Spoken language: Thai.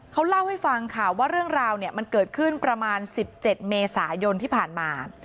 เขาเล่าให้ฟังค่ะว่าเรื่องราวเนี่ยมันเกิดขึ้นประมาณ๑๗เมษายนที่ผ่านมา